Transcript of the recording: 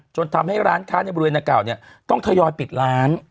จนทำให้ร้านค้าในบริเวณหน้าเก่าเนี่ยต้องทยอยปิดร้าน